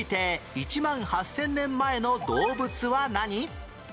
１万８０００年前の動物は何？